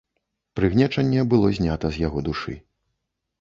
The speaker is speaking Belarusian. Прыгнечанне было знята з яго душы.